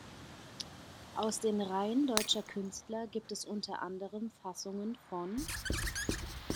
Aus den Reihen deutscher Künstler gibt es unter anderem Fassungen von